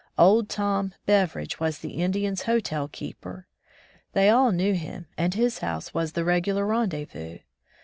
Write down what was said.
"Old Tom" Beveredge was the Indians* hotel keeper. They all knew him, and his house was the regular rendezvous.